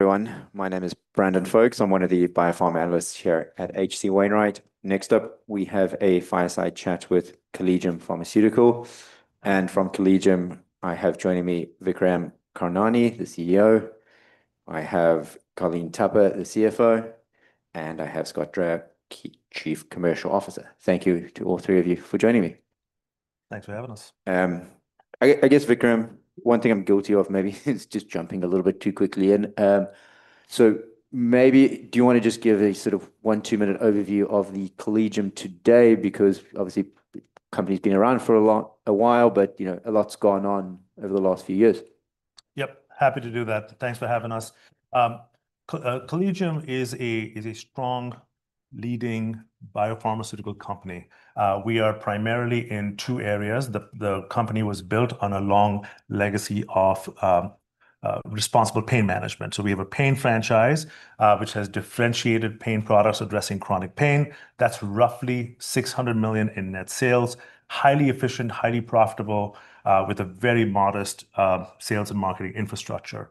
Everyone. My name is Brandon Folkes. I'm one of the biopharma analysts here at H.C. Wainwright. Next up, we have a fireside chat with Collegium Pharmaceutical. And from Collegium, I have joining me Vikram Karnani, the CEO. I have Colleen Tupper, the CFO. And I have Scott Dreyer, Chief Commercial Officer. Thank you to all three of you for joining me. Thanks for having us. I guess, Vikram, one thing I'm guilty of maybe is just jumping a little bit too quickly in. So maybe do you want to just give a sort of one-two-minute overview of the Collegium today? Because obviously, the company's been around for a while, but you know a lot's gone on over the last few years. Yep, happy to do that. Thanks for having us. Collegium is a strong, leading biopharmaceutical company. We are primarily in two areas. The company was built on a long legacy of responsible pain management. So we have a pain franchise which has differentiated pain products addressing chronic pain. That's roughly $600 million in net sales, highly efficient, highly profitable, with a very modest sales and marketing infrastructure.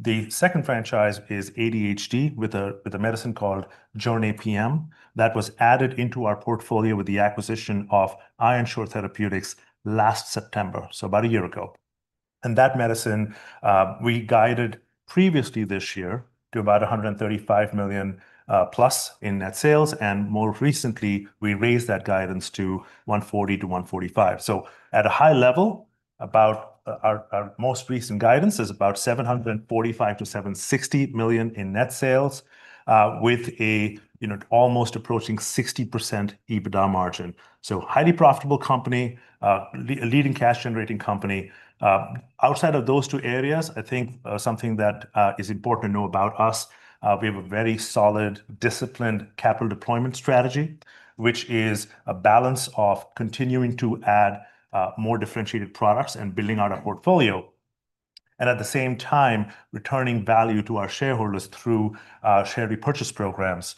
The second franchise is ADHD with a medicine called JORNAY PM that was added into our portfolio with the acquisition of Ironshore Therapeutics last September, so about a year ago. And that medicine, we guided previously this year to about $135 million plus in net sales. And more recently, we raised that guidance to $140 million-$145 million. So at a high level, about our most recent guidance is about $745 million-$760 million in net sales, with an almost approaching 60% EBITDA margin. Highly profitable company, a leading cash-generating company. Outside of those two areas, I think something that is important to know about us. We have a very solid, disciplined capital deployment strategy, which is a balance of continuing to add more differentiated products and building out our portfolio. At the same time, returning value to our shareholders through share repurchase programs.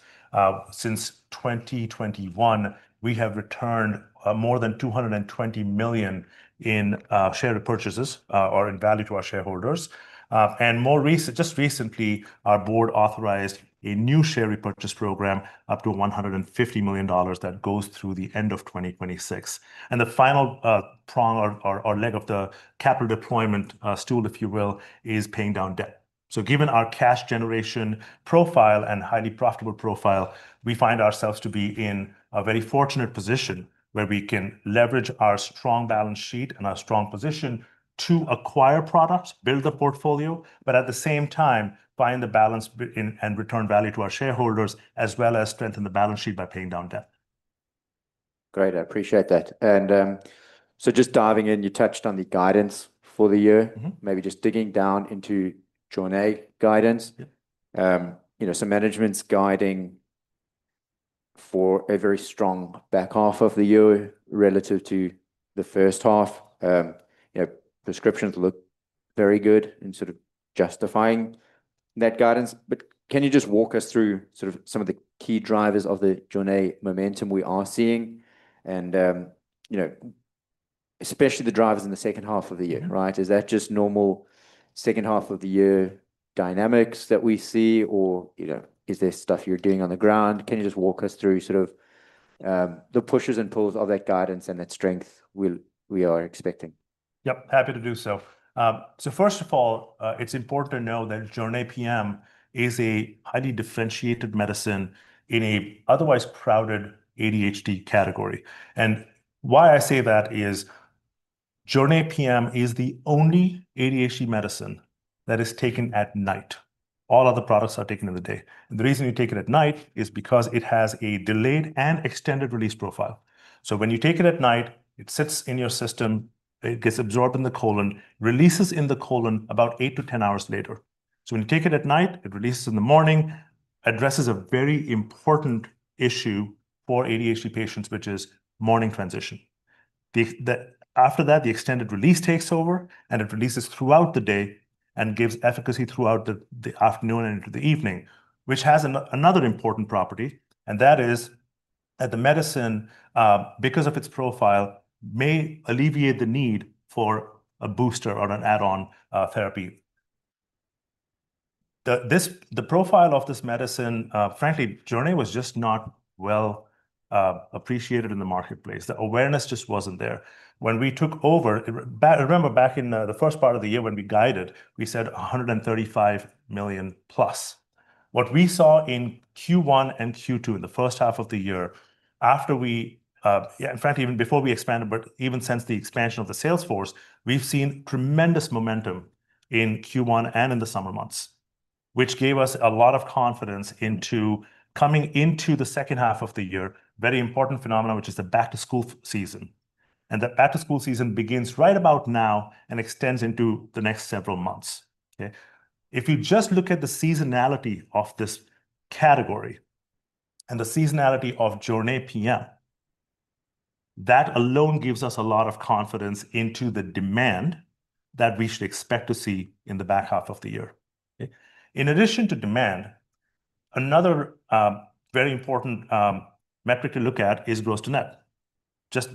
Since 2021, we have returned more than $220 million in share repurchases or in value to our shareholders. More recently, just recently, our board authorized a new share repurchase program up to $150 million that goes through the end of 2026. The final prong or leg of the capital deployment stool, if you will, is paying down debt. So given our cash-generation profile and highly profitable profile, we find ourselves to be in a very fortunate position where we can leverage our strong balance sheet and our strong position to acquire products, build the portfolio, but at the same time, find the balance and return value to our shareholders, as well as strengthen the balance sheet by paying down debt. Great. I appreciate that. And so just diving in, you touched on the guidance for the year. Maybe just digging down into JORNAY guidance, some management's guiding for a very strong back half of the year relative to the first half. Prescriptions look very good in sort of justifying that guidance. But can you just walk us through sort of some of the key drivers of the JORNAY momentum we are seeing? And especially the drivers in the second half of the year, right? Is that just normal second half of the year dynamics that we see? Or is there stuff you're doing on the ground? Can you just walk us through sort of the pushes and pulls of that guidance and that strength we are expecting? Yep, happy to do so, so first of all, it's important to know that JORNAY PM is a highly differentiated medicine in an otherwise crowded ADHD category, and why I say that is JORNAY PM is the only ADHD medicine that is taken at night. All other products are taken in the day, and the reason you take it at night is because it has a delayed and extended release profile. So when you take it at night, it sits in your system, it gets absorbed in the colon, releases in the colon about eight to 10 hours later, so when you take it at night, it releases in the morning, addresses a very important issue for ADHD patients, which is morning transition. After that, the extended release takes over, and it releases throughout the day and gives efficacy throughout the afternoon and into the evening, which has another important property. And that is that the medicine, because of its profile, may alleviate the need for a booster or an add-on therapy. The profile of this medicine, frankly, JORNAY was just not well appreciated in the marketplace. The awareness just wasn't there. When we took over, remember back in the first part of the year when we guided, we said $135 million plus. What we saw in Q1 and Q2 in the first half of the year after we, and frankly, even before we expanded, but even since the expansion of the sales force, we've seen tremendous momentum in Q1 and in the summer months, which gave us a lot of confidence into coming into the second half of the year, a very important phenomenon, which is the back-to-school season, and that back-to-school season begins right about now and extends into the next several months. If you just look at the seasonality of this category and the seasonality of JORNAY PM, that alone gives us a lot of confidence into the demand that we should expect to see in the back half of the year. In addition to demand, another very important metric to look at is gross-to-net. Just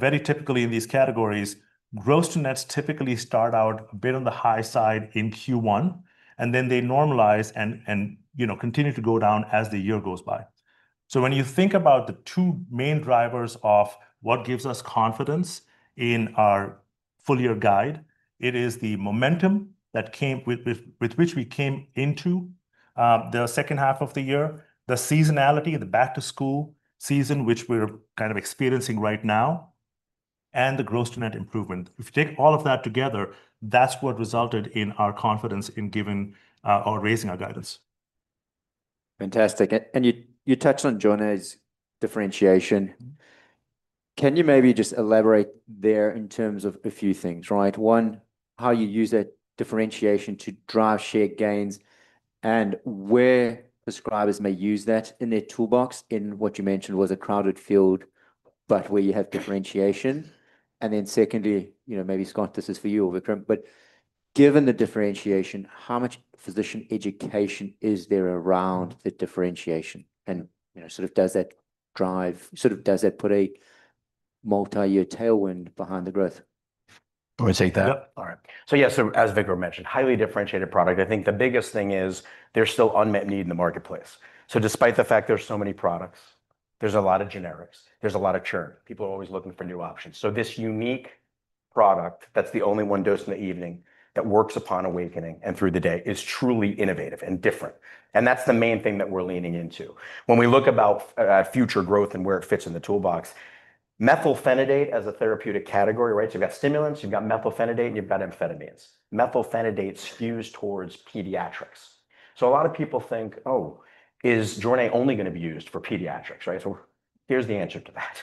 very typically in these categories, gross-to-nets typically start out a bit on the high side in Q1, and then they normalize and continue to go down as the year goes by. So when you think about the two main drivers of what gives us confidence in our full-year guide, it is the momentum with which we came into the second half of the year, the seasonality, the back-to-school season, which we're kind of experiencing right now, and the gross-to-net improvement. If you take all of that together, that's what resulted in our confidence in giving or raising our guidance. Fantastic. And you touched on JORNAY's differentiation. Can you maybe just elaborate there in terms of a few things, right? One, how you use that differentiation to drive share gains and where prescribers may use that in their toolbox in what you mentioned was a crowded field, but where you have differentiation. And then secondly, maybe, Scott, this is for you, Vikram, but given the differentiation, how much physician education is there around the differentiation? And sort of does that drive, sort of does that put a multi-year tailwind behind the growth? I'm going to take that. Yep. All right. So yeah, so as Vikram mentioned, highly differentiated product. I think the biggest thing is there's still unmet need in the marketplace. So despite the fact there's so many products, there's a lot of generics. There's a lot of churn. People are always looking for new options. So this unique product that's the only one dosed in the evening that works upon awakening and through the day is truly innovative and different. And that's the main thing that we're leaning into. When we look about future growth and where it fits in the toolbox, methylphenidate as a therapeutic category, right? So you've got stimulants, you've got methylphenidate, and you've got amphetamines. Methylphenidate skews towards pediatrics. So a lot of people think, oh, is JORNAY only going to be used for pediatrics, right? So here's the answer to that.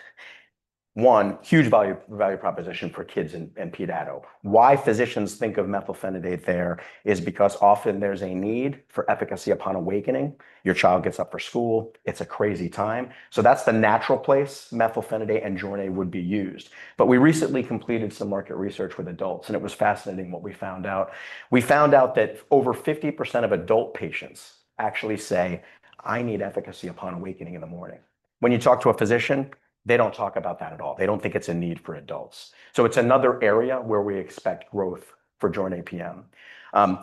One, huge value proposition for kids and pediatrics. Why physicians think of methylphenidate there is because often there's a need for efficacy upon awakening. Your child gets up for school. It's a crazy time. So that's the natural place methylphenidate and JORNAY would be used. But we recently completed some market research with adults, and it was fascinating what we found out. We found out that over 50% of adult patients actually say, "I need efficacy upon awakening in the morning." When you talk to a physician, they don't talk about that at all. They don't think it's a need for adults. So it's another area where we expect growth for JORNAY PM.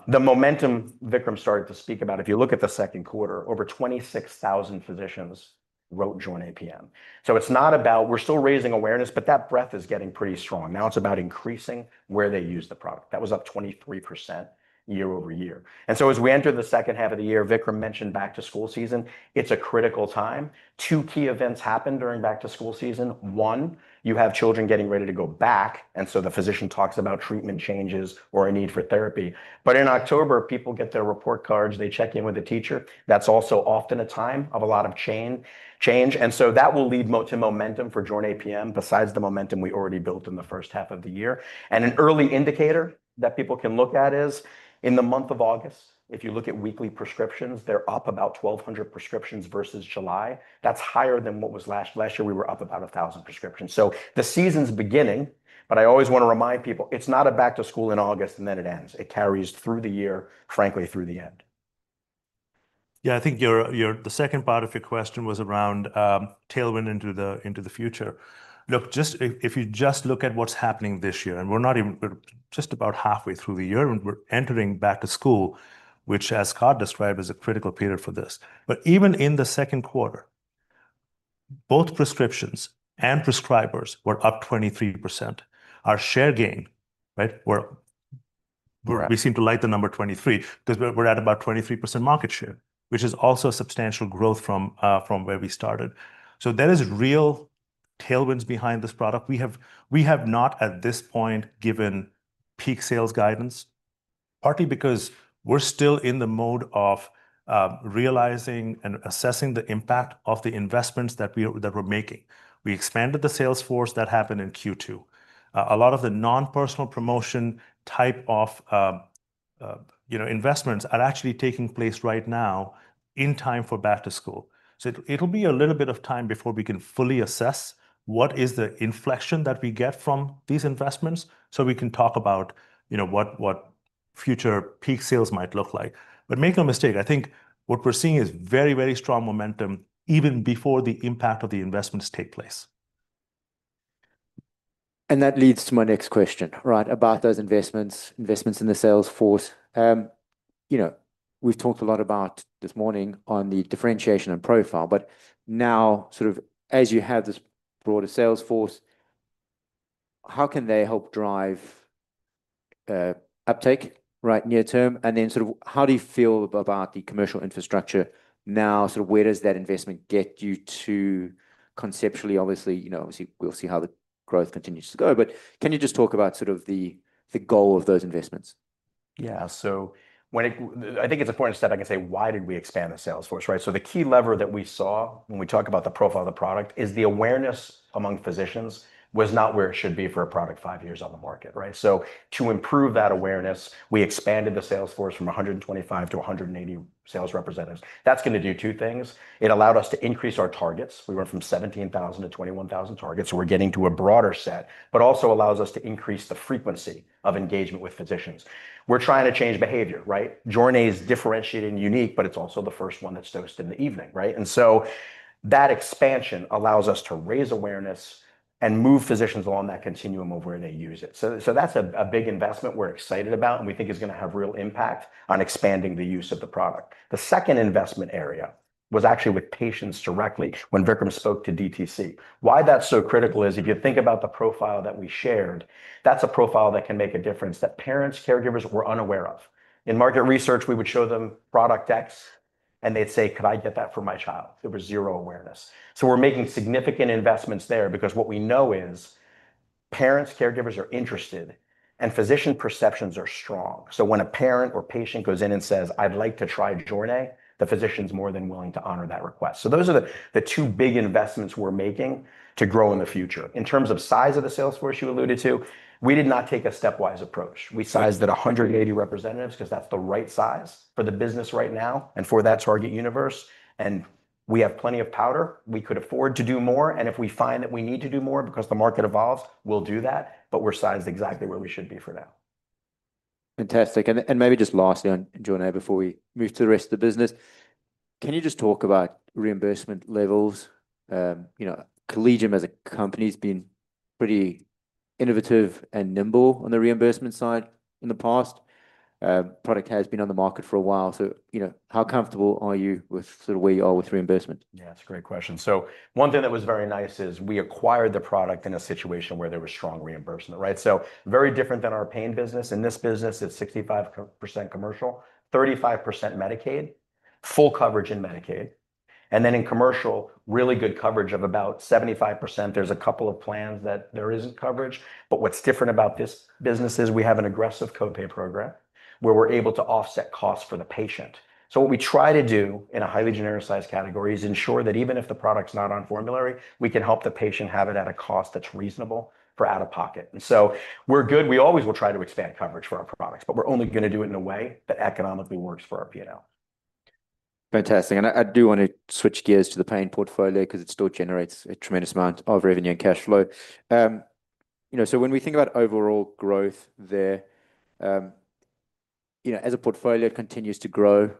The momentum Vikram started to speak about, if you look at the second quarter, over 26,000 physicians wrote JORNAY PM. So it's not about we're still raising awareness, but that breadth is getting pretty strong. Now it's about increasing where they use the product. That was up 23% year over year, and so as we enter the second half of the year, Vikram mentioned back-to-school season, it's a critical time. Two key events happen during back-to-school season. One, you have children getting ready to go back, and so the physician talks about treatment changes or a need for therapy, but in October, people get their report cards. They check in with a teacher. That's also often a time of a lot of change, and so that will lead to momentum for JORNAY PM besides the momentum we already built in the first half of the year, and an early indicator that people can look at is in the month of August, if you look at weekly prescriptions, they're up about 1,200 prescriptions versus July. That's higher than what was last year. Last year, we were up about 1,000 prescriptions. So the season's beginning, but I always want to remind people. It's not a back-to-school in August and then it ends. It carries through the year, frankly, through the end. Yeah, I think the second part of your question was around tailwind into the future. Look, just if you just look at what's happening this year, and we're not even just about halfway through the year, and we're entering back-to-school, which, as Scott described, is a critical period for this. But even in the second quarter, both prescriptions and prescribers were up 23%. Our share gain, right? We seem to like the number 23 because we're at about 23% market share, which is also a substantial growth from where we started. So there is real tailwinds behind this product. We have not, at this point, given peak sales guidance, partly because we're still in the mode of realizing and assessing the impact of the investments that we're making. We expanded the sales force that happened in Q2. A lot of the non-personal promotion type of investments are actually taking place right now in time for back-to-school. So it'll be a little bit of time before we can fully assess what is the inflection that we get from these investments so we can talk about what future peak sales might look like. But make no mistake, I think what we're seeing is very, very strong momentum even before the impact of the investments take place. That leads to my next question, right, about those investments in the sales force. We've talked a lot about this morning on the differentiation and profile, but now sort of as you have this broader sales force, how can they help drive uptake near-term? And then sort of how do you feel about the commercial infrastructure now? Sort of where does that investment get you to conceptually? Obviously, we'll see how the growth continues to go, but can you just talk about sort of the goal of those investments? Yeah. So I think it's important to step back and say, why did we expand the sales force? Right? So the key lever that we saw when we talk about the profile of the product is the awareness among physicians was not where it should be for a product five years on the market, right? So to improve that awareness, we expanded the sales force from 125 to 180 sales representatives. That's going to do two things. It allowed us to increase our targets. We went from 17,000 to 21,000 targets. We're getting to a broader set, but also allows us to increase the frequency of engagement with physicians. We're trying to change behavior, right? JORNAY's differentiating unique, but it's also the first one that's dosed in the evening, right? And so that expansion allows us to raise awareness and move physicians along that continuum of where they use it. So that's a big investment we're excited about and we think is going to have real impact on expanding the use of the product. The second investment area was actually with patients directly when Vikram spoke to DTC. Why that's so critical is if you think about the profile that we shared, that's a profile that can make a difference that parents, caregivers were unaware of. In market research, we would show them product X, and they'd say, "Could I get that for my child?" There was zero awareness. So we're making significant investments there because what we know is parents, caregivers are interested, and physician perceptions are strong. So when a parent or patient goes in and says, "I'd like to try JORNAY," the physician's more than willing to honor that request. So those are the two big investments we're making to grow in the future. In terms of size of the sales force you alluded to, we did not take a stepwise approach. We sized at 180 representatives because that's the right size for the business right now and for that target universe. And we have plenty of powder. We could afford to do more. And if we find that we need to do more because the market evolves, we'll do that. But we're sized exactly where we should be for now. Fantastic. And maybe just lastly on JORNAY before we move to the rest of the business, can you just talk about reimbursement levels? Collegium as a company has been pretty innovative and nimble on the reimbursement side in the past. Product has been on the market for a while. So how comfortable are you with sort of where you are with reimbursement? Yeah, that's a great question. So one thing that was very nice is we acquired the product in a situation where there was strong reimbursement, right? So very different than our pain business. In this business, it's 65% commercial, 35% Medicaid, full coverage in Medicaid. And then in commercial, really good coverage of about 75%. There's a couple of plans that there isn't coverage. But what's different about this business is we have an aggressive copay program where we're able to offset costs for the patient. So what we try to do in a highly genericized category is ensure that even if the product's not on formulary, we can help the patient have it at a cost that's reasonable for out-of-pocket. And so we're good. We always will try to expand coverage for our products, but we're only going to do it in a way that economically works for our P&L. Fantastic. And I do want to switch gears to the pain portfolio because it still generates a tremendous amount of revenue and cash flow. So when we think about overall growth there, as a portfolio continues to grow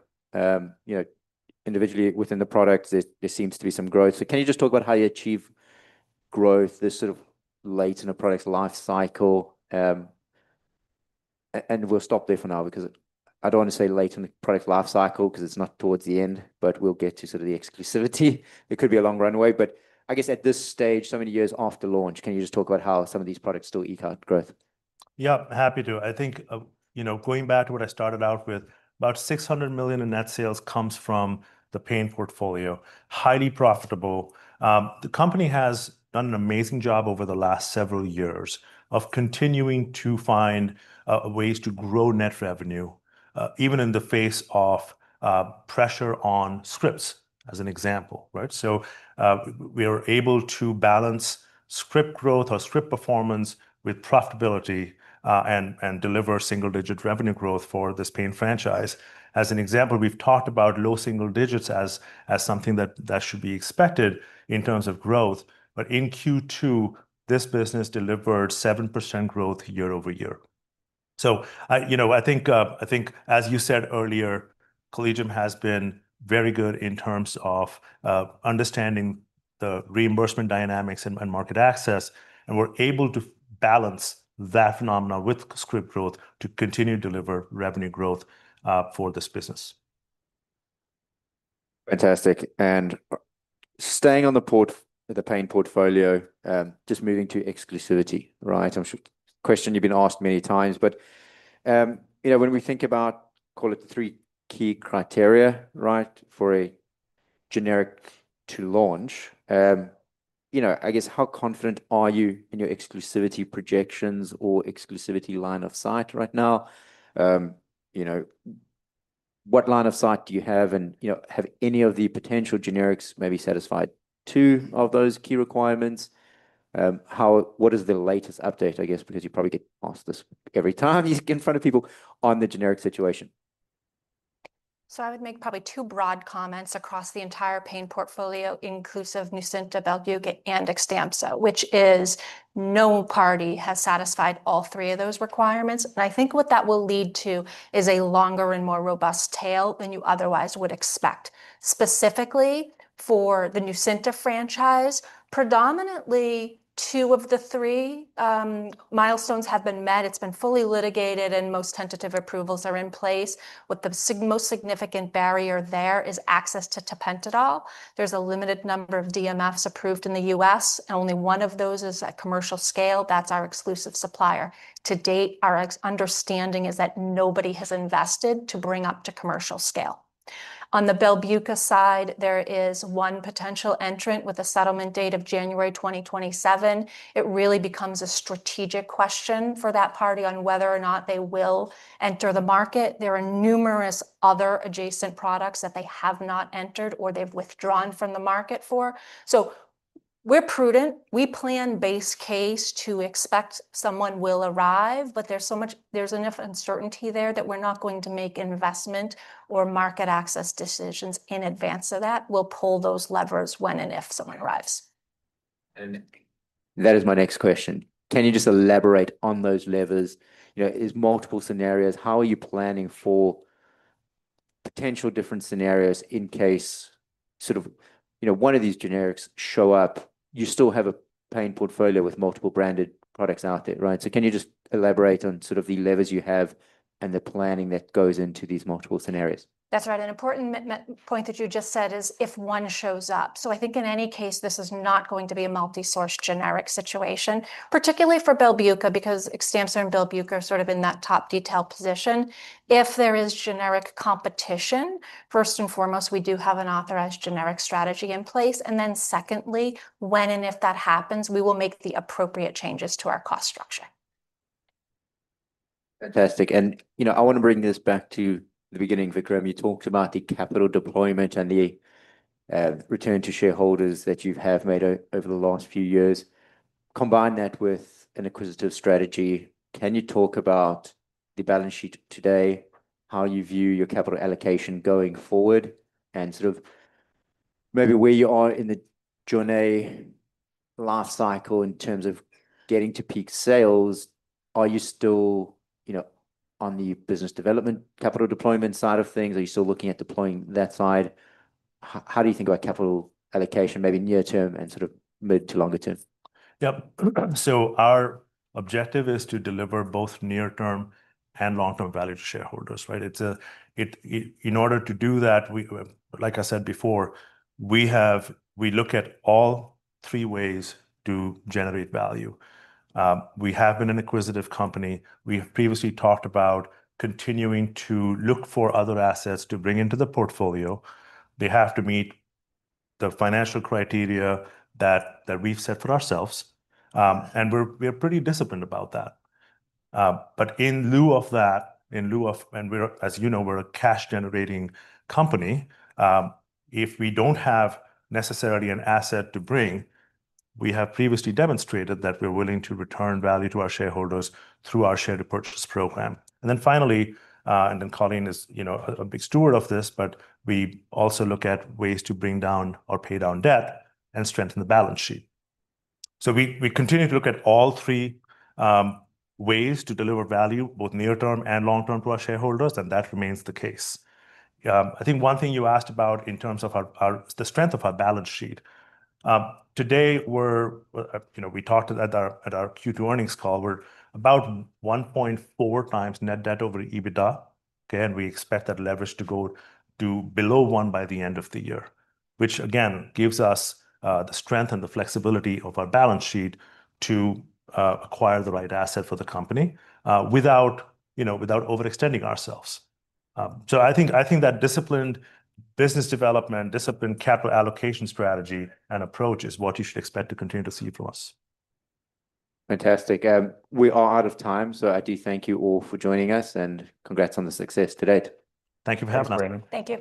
individually within the product, there seems to be some growth. So can you just talk about how you achieve growth, the sort of late in a product's life cycle? And we'll stop there for now because I don't want to say late in the product life cycle because it's not towards the end, but we'll get to sort of the exclusivity. It could be a long runway, but I guess at this stage, so many years after launch, can you just talk about how some of these products still eke out growth? Yep, happy to. I think going back to what I started out with, about $600 million in net sales comes from the pain portfolio. Highly profitable. The company has done an amazing job over the last several years of continuing to find ways to grow net revenue even in the face of pressure on scripts, as an example, right? So we are able to balance script growth or script performance with profitability and deliver single-digit revenue growth for this pain franchise. As an example, we've talked about low single digits as something that should be expected in terms of growth. But in Q2, this business delivered 7% growth year over year. So I think, as you said earlier, Collegium has been very good in terms of understanding the reimbursement dynamics and market access, and we're able to balance that phenomenon with script growth to continue to deliver revenue growth for this business. Fantastic. And staying on the pain portfolio, just moving to exclusivity, right? I'm sure it's a question you've been asked many times, but when we think about, call it the three key criteria, right, for a generic to launch, I guess how confident are you in your exclusivity projections or exclusivity line of sight right now? What line of sight do you have? And have any of the potential generics maybe satisfied two of those key requirements? What is the latest update, I guess, because you probably get asked this every time you get in front of people on the generic situation? So I would make probably two broad comments across the entire pain portfolio, inclusive NUCYNTA, BELBUCA, and XTAMPZA, which is no party has satisfied all three of those requirements. And I think what that will lead to is a longer and more robust tail than you otherwise would expect. Specifically for the NUCYNTA franchise, predominantly two of the three milestones have been met. It's been fully litigated, and most tentative approvals are in place. With the most significant barrier there is access to tapentadol. There's a limited number of DMFs approved in the U.S., and only one of those is at commercial scale. That's our exclusive supplier. To date, our understanding is that nobody has invested to bring up to commercial scale. On the BELBUCA side, there is one potential entrant with a settlement date of January 2027. It really becomes a strategic question for that party on whether or not they will enter the market. There are numerous other adjacent products that they have not entered or they've withdrawn from the market for. So we're prudent. We plan base case to expect someone will arrive, but there's so much uncertainty there that we're not going to make investment or market access decisions in advance of that. We'll pull those levers when and if someone arrives. That is my next question. Can you just elaborate on those levers? In multiple scenarios, how are you planning for potential different scenarios in case sort of one of these generics show up? You still have a pain portfolio with multiple branded products out there, right? Can you just elaborate on sort of the levers you have and the planning that goes into these multiple scenarios? That's right. An important point that you just said is if one shows up. So I think in any case, this is not going to be a multi-source generic situation, particularly for BELBUCA because XTAMPZA and BELBUCA are sort of in that top decile position. If there is generic competition, first and foremost, we do have an authorized generic strategy in place. And then secondly, when and if that happens, we will make the appropriate changes to our cost structure. Fantastic, and I want to bring this back to the beginning, Vikram. You talked about the capital deployment and the return to shareholders that you have made over the last few years. Combine that with an acquisitive strategy. Can you talk about the balance sheet today, how you view your capital allocation going forward, and sort of maybe where you are in the JORNAY life cycle in terms of getting to peak sales? Are you still on the business development capital deployment side of things? Are you still looking at deploying that side? How do you think about capital allocation, maybe near-term and sort of mid to longer term? Yep. So our objective is to deliver both near-term and long-term value to shareholders, right? In order to do that, like I said before, we look at all three ways to generate value. We have been an acquisitive company. We have previously talked about continuing to look for other assets to bring into the portfolio. They have to meet the financial criteria that we've set for ourselves. And we're pretty disciplined about that. But in lieu of that, and as you know, we're a cash-generating company. If we don't have necessarily an asset to bring, we have previously demonstrated that we're willing to return value to our shareholders through our share repurchase program. And then finally, Colleen is a big steward of this, but we also look at ways to bring down or pay down debt and strengthen the balance sheet. So we continue to look at all three ways to deliver value, both near-term and long-term to our shareholders, and that remains the case. I think one thing you asked about in terms of the strength of our balance sheet. Today we talked at our Q2 earnings call; we're about 1.4 times net debt over EBITDA. And we expect that leverage to go to below one by the end of the year, which again gives us the strength and the flexibility of our balance sheet to acquire the right asset for the company without overextending ourselves. So I think that disciplined business development, disciplined capital allocation strategy and approach is what you should expect to continue to see from us. Fantastic. We are out of time, so I do thank you all for joining us and congrats on the success today. Thank you for having us.